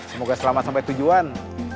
semoga selamat sampai tujuan